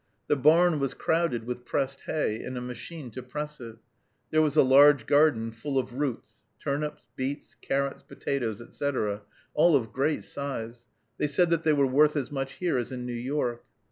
The barn was crowded with pressed hay, and a machine to press it. There was a large garden full of roots, turnips, beets, carrots, potatoes, etc., all of great size. They said that they were worth as much here as in New York.